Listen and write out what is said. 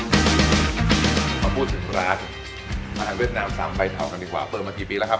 มาพูดถึงร้านอาหารเวียดนามสามใบเทากันดีกว่าเปิดมากี่ปีแล้วครับ